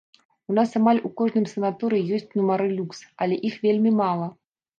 У нас амаль у кожным санаторыі ёсць нумары люкс, але іх вельмі мала.